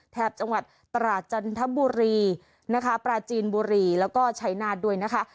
แถบจังหวัดตราจันทบุรีนะคะปราจีนบุรีแล้วก็ชัยนาธด้วยนะคะ